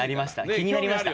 気になりました。